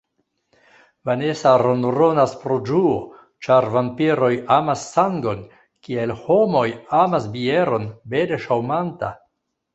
Vanesa ronronas pro ĝuo, ĉar vampiroj amas sangon, kiel homoj amas bieron: bele ŝaŭmanta.